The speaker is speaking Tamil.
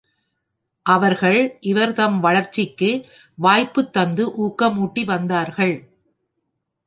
அவர்கள் இவர் தம் வளர்ச்சிக்கு வாய்ப்புத் தந்து ஊக்கமூட்டி வந்தார்கள்.